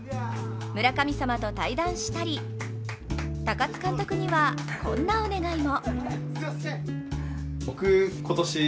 村神様と対談したり、高津監督にはこんなお願いも。